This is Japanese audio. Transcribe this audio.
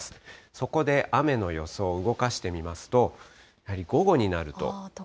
そこで雨の予想、動かしてみますと、やはり午後になると。